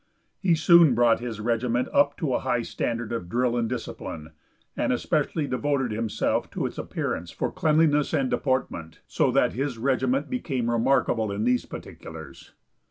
He soon brought his regiment up to a high standard of drill and discipline, and especially devoted himself to its appearance for cleanliness and deportment, so that his regiment became remarkable in these particulars.